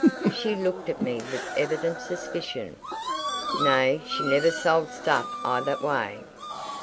She looked at me with evident suspicion: "Nay, she never sold stuff i' that way."